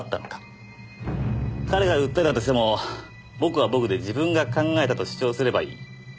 彼が訴えたとしても僕は僕で自分が考えたと主張すればいい。